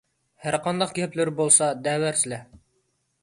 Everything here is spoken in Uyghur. ھەرقانداق گەپلىرى بولسا دەۋەرسىلە!